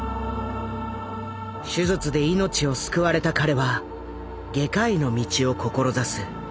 手術で命を救われた彼は外科医の道を志す。